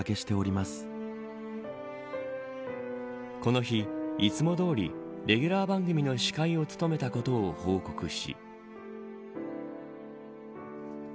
この日、いつもどおりレギュラー番組の司会を務めたことを報告し。